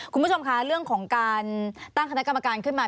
คุณผู้ชมคะเรื่องของการตั้งคณะกรรมการขึ้นมา